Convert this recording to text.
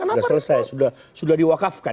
sudah selesai diwakafkan